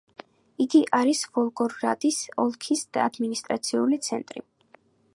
იგი არის ვოლგოგრადის ოლქის ადმინისტრაციული ცენტრი.